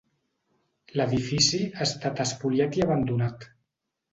L'edifici ha estat espoliat i abandonat.